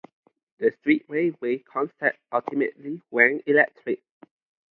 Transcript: The street railway concept ultimately went electric.